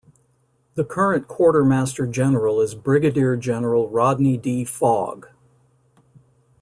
The current Quartermaster General is Brigadier General Rodney D. Fogg.